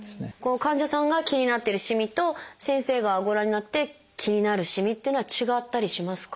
患者さんが気になってるしみと先生がご覧になって気になるしみっていうのは違ったりしますか？